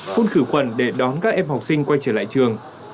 phun khử khuẩn để đón các em học sinh quay trở lại trường